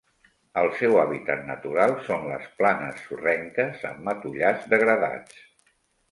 El seu hàbitat natural són les planes sorrenques amb matollars degradats.